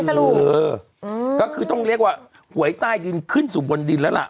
สรุปเออก็คือต้องเรียกว่าหวยใต้ดินขึ้นสู่บนดินแล้วล่ะ